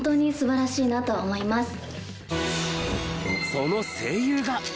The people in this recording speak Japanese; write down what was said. その声優が。